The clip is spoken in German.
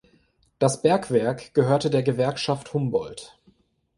Das Bergwerk gehörte der Gewerkschaft Humboldt.